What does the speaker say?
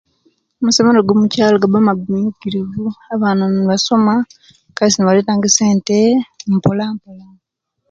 Amasomero gomukyalo gaba maguminkirivu abaana nibasoma Kaisi nibaleta esente mpolapola